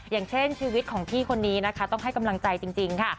อย่างเช่นชีวิตของพี่คนนี้นะคะต้องให้กำลังใจจริงค่ะ